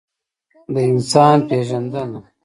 د انسان پېژندنه.